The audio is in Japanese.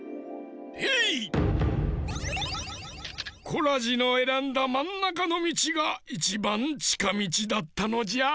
コラジのえらんだまんなかのみちがいちばんちかみちだったのじゃ。